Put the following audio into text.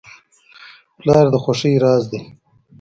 پلار د خوښۍ راز دی.